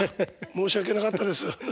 申し訳なかったです。